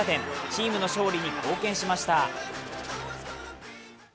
チームの勝利に貢献しました。